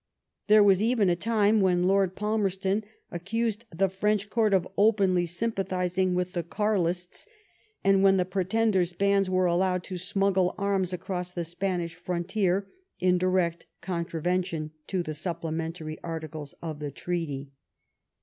'* There was even a time when Lord Palmerston accused the French Court of openly sym pathising with the Garlists^ and when the Pretender's bands were allowed to smuggle arms across the Spanish frontier in direct contravention to the supplementary articles of the Treaty.